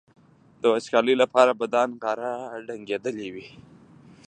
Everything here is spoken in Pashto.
د وچکالۍ لپاره به دا نغاره ډنګېدلي وي.